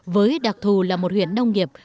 với đặc thù là một huyện nông nghiệp